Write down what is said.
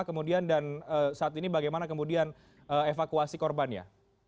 kemudian dan saat ini bagaimana kemudian evakuasi korbannya